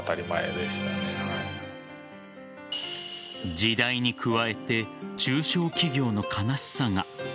時代に加えて中小企業の悲しさが。